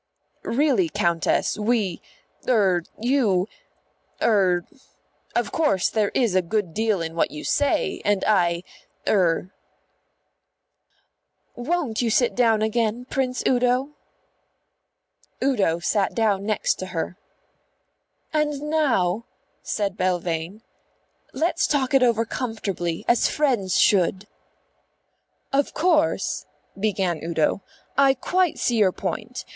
"Really, Countess, we er you er Of course there is a good deal in what you say, and I er " "Won't you sit down again, Prince Udo?" Udo sat down next to her. "And now," said Belvane, "let's talk it over comfortably as friends should." "Of course," began Udo, "I quite see your point.